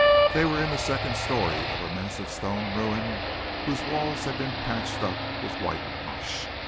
They were in the second story of a massive stone ruin whose walls had been patched up with whitewash.